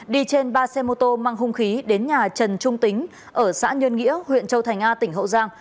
đi trên ba xe mô tô mang hung khí đến nhà trần trung tính ở xã nhơn nghĩa huyện châu thành a tỉnh hậu giang